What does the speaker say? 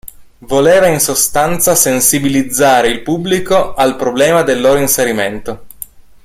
Voleva in sostanza sensibilizzare il pubblico al problema del loro inserimento.